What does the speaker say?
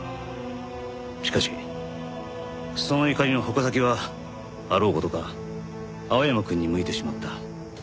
しかしその怒りの矛先はあろう事か青山くんに向いてしまった。